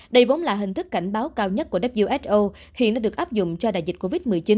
đây vốn là hình thức cảnh báo cao nhất của who hiện đã được áp dụng cho đại dịch covid một mươi chín